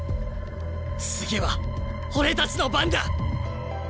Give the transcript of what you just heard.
次は俺たちの番だ！